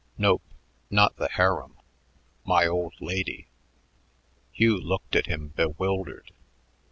Nope, not the harem. My old lady." Hugh looked at him bewildered.